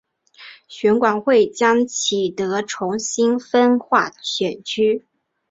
选管会将启德重新分划选区。